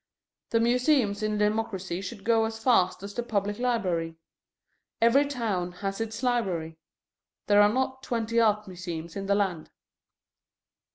The museums in a democracy should go as far as the public libraries. Every town has its library. There are not twenty Art museums in the land.